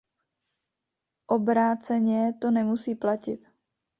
Obráceně to nemusí platit.